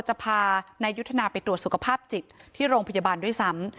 จะพานายยุทธนาไปตรวจสุขภาพจิตที่โรงพยาบาลด้วยซ้ำ